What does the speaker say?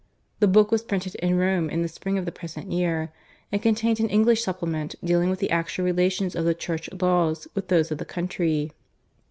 The book was printed in Rome in the spring of the present year, and contained an English supplement, dealing with the actual relations of the Church laws with those of the country.